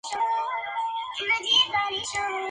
La formación está situada al noroeste del cráter Gassendi.